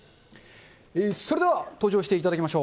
それでは登場していただきましょう。